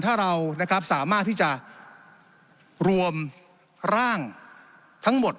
ถ้าเรานะครับสามารถที่จะรวมร่างทั้งหมด